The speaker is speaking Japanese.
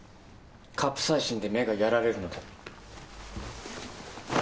カプサイシンで目がやられるので。